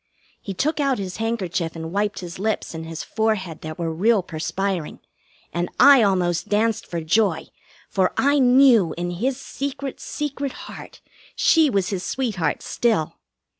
He took out his handkerchief and wiped his lips and his forehead that were real perspiring, and I almost danced for joy, for I knew in his secret, secret heart she was his sweetheart still.